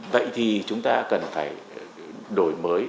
vậy thì chúng ta cần phải đổi mới